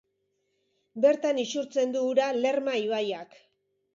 Bertan isurtzen du ura Lerma ibaiak.